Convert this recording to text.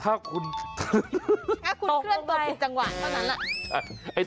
ถ้าคุณเคลื่อนตัวถึงจังหวะเท่านั้นล่ะ